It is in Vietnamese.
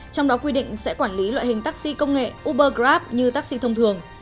trong đó quy định sẽ quản lý loại hình taxi công nghệ uber grab như taxi thông thường